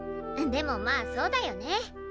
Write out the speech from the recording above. でもまあそうだよね。